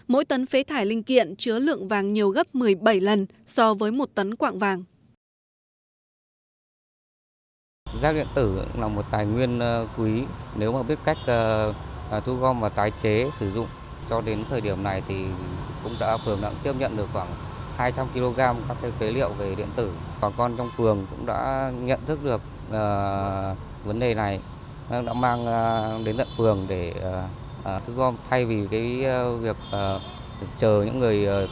mỗi tấn phế thải linh kiện chứa lượng vàng nhiều gấp một mươi bảy lần so với một tấn quạng vàng